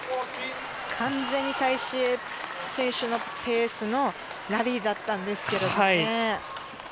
完全にタイ・シエイ選手のペースのラリーだったんですけどね。